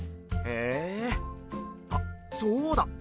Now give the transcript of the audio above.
へえあっそうだ！